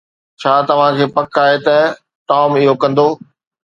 ڇا توهان کي پڪ آهي ته ٽام اهو ڪندو؟